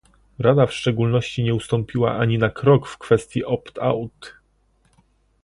Rada w szczególności nie ustąpiła ani na krok w kwestii opt-out